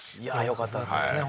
よかったですね